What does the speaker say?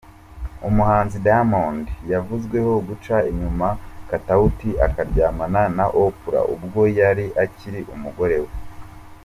Umuhanzi Diamond yavuzweho guca inyuma Katauti akaryamana na Oprah ubwo yari akiri umugore we.